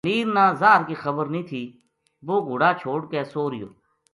منیر نا زاہر کی خبرنیہہ تھی وہ گھوڑا چھوڈ کے سو رہیو